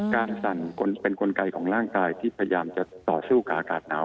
สั่นเป็นกลไกของร่างกายที่พยายามจะต่อสู้กับอากาศหนาว